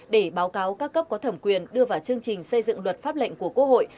để báo cáo các cấp có thẩm quyền đưa vào chương trình xây dựng luật pháp lệnh của quốc hội